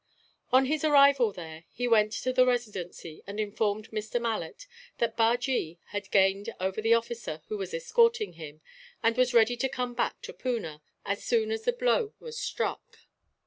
On his arrival there, he went to the Residency and informed Mr. Malet that Bajee had gained over the officer who was escorting him, and was ready to come back to Poona, as soon as the blow was struck.